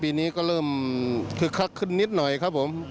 ปีนี้ก็เริ่มคึกคักขึ้นนิดหน่อยครับผม